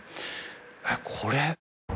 えっこれ。